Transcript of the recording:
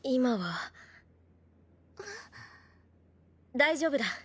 大丈夫だ。